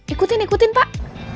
ikutin ikutin pak